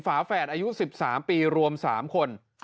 ฝาแฝดอายุ๑๓ปีรวม๓คน